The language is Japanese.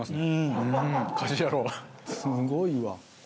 すごいわ。